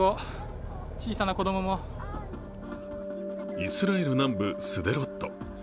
イスラエル南部スデロット。